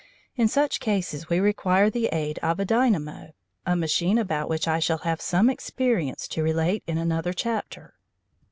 In such cases we require the aid of a dynamo, a machine about which I shall have some experience to relate in another chapter.